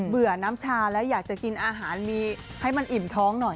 ื่อน้ำชาแล้วอยากจะกินอาหารมีให้มันอิ่มท้องหน่อย